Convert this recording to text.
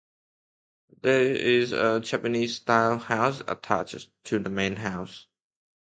There is a Japanese style house attached to the main house.